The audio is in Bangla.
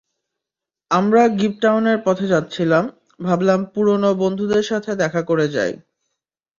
আমরা গিবটাউনের পথে যাচ্ছিলাম, ভাবলাম পুরোনো বন্ধুদের সাথে দেখা করে যাই।